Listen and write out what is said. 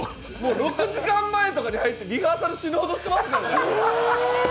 ６時間前とかに入ってリハーサル死ぬほどしてますからね。